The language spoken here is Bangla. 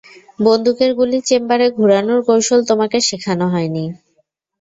বন্দুকের গুলির চেম্বার ঘুরানোর কৌশল তোমাকে শেখানো হয়নি।